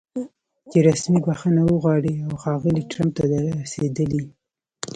چې رسمي بښنه وغواړي او ښاغلي ټرمپ ته د رسېدلي